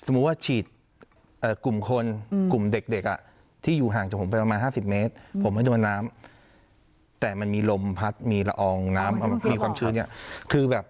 ไม่ต้องโดนน้ำแต่มันมีลมพัดมีละอองมีความชื้น